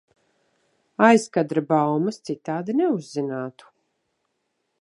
Aizkadra baumas citādi neuzzinātu.